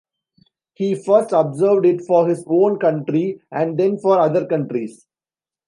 He first observed it for his own country and then for other countries.